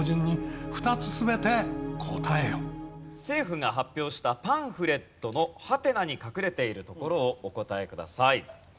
政府が発表したパンフレットのハテナに隠れているところをお答えください。